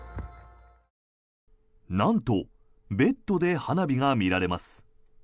なんとベッドで花火が見られます。